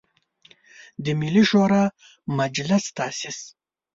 د ملي شوری مجلس تاسیس.